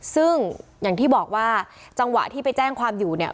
ซึ่งอย่างที่บอกว่าจังหวะที่ไปแจ้งความอยู่เนี่ย